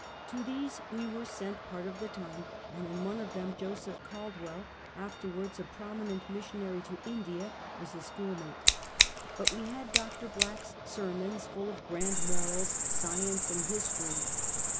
To these we were sent part of the time, and in one of them Joseph Caldwell, afterwards a prominent missionary to India, was a schoolmate. But we had Dr. Black's sermons, full of grand morals, science and history.